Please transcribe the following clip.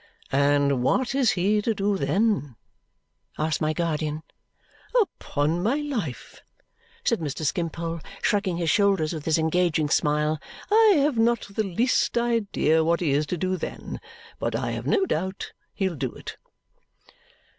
"And what is he to do then?" asked my guardian. "Upon my life," said Mr. Skimpole, shrugging his shoulders with his engaging smile, "I have not the least idea what he is to do then. But I have no doubt he'll do it."